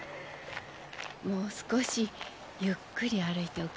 もう少しゆっくり歩いておくれ。